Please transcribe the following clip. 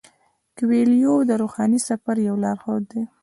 کویلیو د روحاني سفر یو لارښود دی.